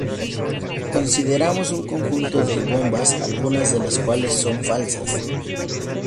Consideramos un conjunto de bombas, algunas de las cuales son falsas.